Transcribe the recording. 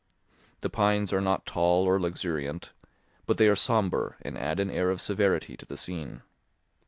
The pines are not tall or luxuriant, but they are sombre and add an air of severity to the scene.